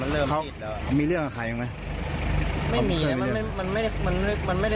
มันเริ่มทิศเขามีเรื่องกับใครยังไหมไม่มีมันไม่มันไม่มันไม่ได้